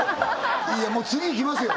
いやもう次いきますよ